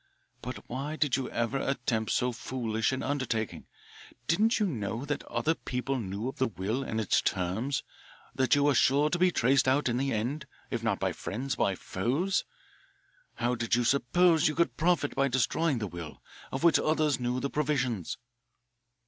But why did you ever attempt so foolish an undertaking? Didn't you know that other people knew of the will and its terms, that you were sure to be traced out in the end, if not by friends, by foes? How did you suppose you could profit by destroying the will, of which others knew the provisions?"